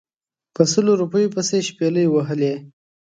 په سلو روپیو پسې شپلۍ وهلې.